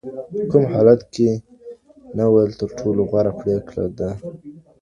کوم حالت کي نه ویل تر ټولو غوره پرېکړه ده؟